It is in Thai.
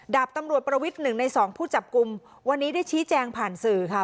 ดาบตำรวจประวิทย์หนึ่งในสองผู้จับกลุ่มวันนี้ได้ชี้แจงผ่านสื่อค่ะ